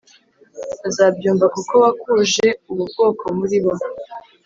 bazabyumva kuko wakuje ubu bwoko muri bo